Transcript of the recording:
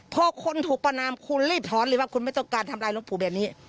พอคนถูกประนามคุณรีบถอนเลยว่าคุณไม่ต้องการทำลายหลวงปู่แบบนี้